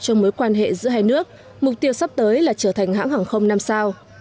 trong mối quan hệ giữa hai nước mục tiêu sắp tới là trở thành hãng hàng không năm sao